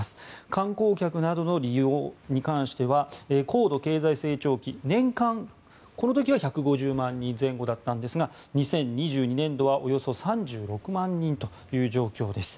観光客などの利用に関しては高度経済成長期、年間、この時は１５０万人前後だったんですが２０２２年度はおよそ３６万人という状況です。